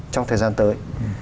trong thời gian tới